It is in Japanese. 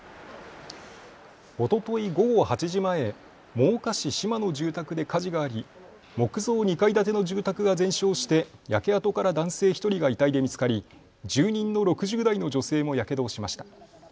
おととい午後８時前、真岡市島の住宅で火事があり木造２階建ての住宅が全焼して焼け跡から男性１人が遺体で見つかり住人の６０代の女性もやけどをしました。